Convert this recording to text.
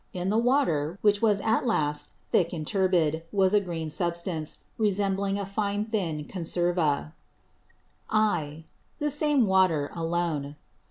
In the Water, which was at last thick and turbid, was a green Substance, resembling a fine thin Conserva. (I.) The same Water, alone.